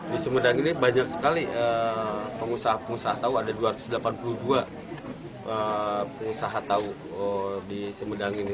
di sumedang ini banyak sekali pengusaha pengusaha tahu ada dua ratus delapan puluh dua pengusaha tahu di sumedang ini